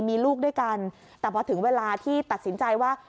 มีลูกด้วยกันแต่พอถึงเวลาที่ตัดสินใจว่า